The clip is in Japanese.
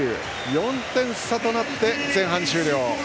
４点差となって前半終了。